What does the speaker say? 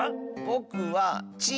ぼくは「ち」！